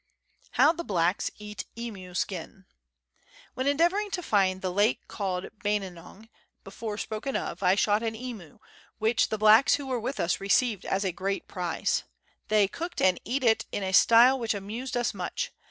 How the Blacks eat Emu Skin. When endeavouring to find the lake called Bainenong, before spoken of, I shot an emu, which the blacks who were with us received as a great prize. They cooked and eat it in a style which amused us much.